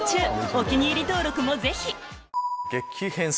お気に入り登録もぜひ！